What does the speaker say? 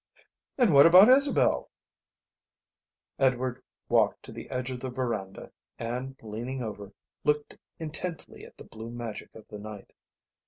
"And what about Isabel?" Edward walked to the edge of the verandah and leaning over looked intently at the blue magic of the night.